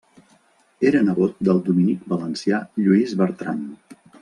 Era nebot del dominic valencià Lluís Bertran.